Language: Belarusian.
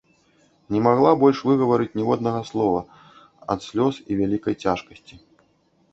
Не магла больш выгаварыць ніводнага слова ад слёз і вялікай цяжкасці.